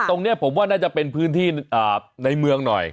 ตรงนี้ผมว่าน่าจะเป็นพื้นที่ในเมืองหน่อย